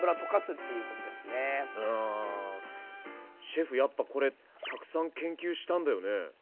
シェフやっぱこれたくさん研究したんだよね？